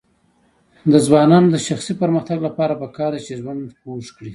د ځوانانو د شخصي پرمختګ لپاره پکار ده چې ژوند خوږ کړي.